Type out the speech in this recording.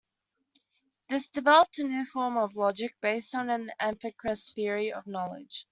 This developed a new form of logic, based on an empiricist theory of knowledge.